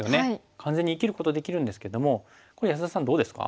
完全に生きることできるんですけどもこれ安田さんどうですか？